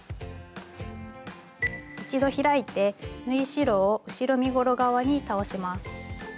一度開いて縫い代を後ろ身ごろ側に倒します。